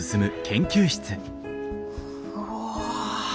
うわ！